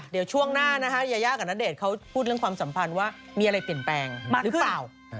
เดี๋ยวช่วงหน้านะคะยายากับณเดชน์เขาพูดเรื่องความสัมพันธ์ว่ามีอะไรเปลี่ยนแปลงหรือเปล่า